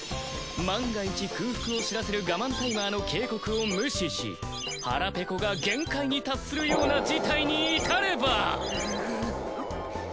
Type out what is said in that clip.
万が一空腹を知らせるガマンタイマーの警告を無視し腹ペコが限界に達するような事態に至れば。